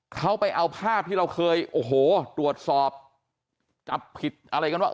เขาไปเอาภาพที่เราเคยโอ้โหตรวจสอบจับผิดอะไรกันว่า